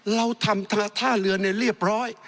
เราทำท่าเรือเนี่ยเรียบร้อย